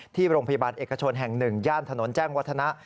ที่โรงพยาบาลเอกชนแห่ง๑ย่านถนนแจ้งวัฒนะ